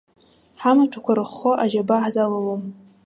Ҳамаҭәақәа рыххо аџьабаа ҳзалалом.